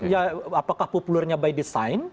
ya apakah populernya by design